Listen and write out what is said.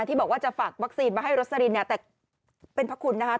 ที่บอกว่าจะฝากวัคซีนมาให้รสลินเนี่ยแต่เป็นพระคุณนะคะ